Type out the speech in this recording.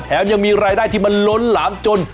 ยังมีรายได้ที่มันล้นหลามจน